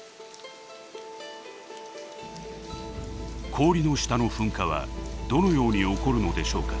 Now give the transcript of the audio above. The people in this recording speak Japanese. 氷の下の噴火はどのように起こるのでしょうか。